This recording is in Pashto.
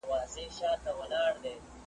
خوله په غاښو ښه ښکاري ,